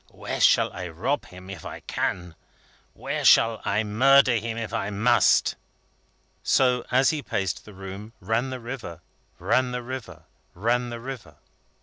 "Where shall I rob him, if I can? Where shall I murder him, if I must?" So, as he paced the room, ran the river, ran the river, ran the river.